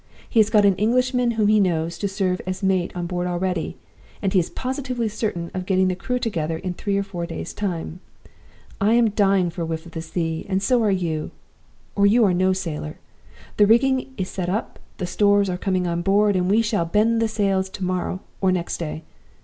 He has got an Englishman whom he knows to serve as mate on board already; and he is positively certain of getting the crew together in three or four days' time. I am dying for a whiff of the sea, and so are you, or you are no sailor. The rigging is set up, the stores are coming on board, and we shall bend the sails to morrow or next day.